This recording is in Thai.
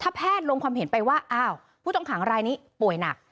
แพทย์ลงความเห็นไปว่าอ้าวผู้ต้องขังรายนี้ป่วยหนัก